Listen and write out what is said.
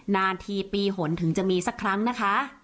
นาทีปีหนถึงจะมีสักครั้งนะคะ